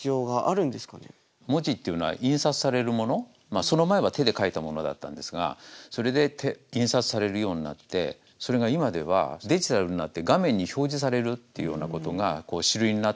まあその前は手で書いたものだったんですがそれで印刷されるようになってそれが今ではデジタルになって画面に表示されるっていうようなことが主流になってきて。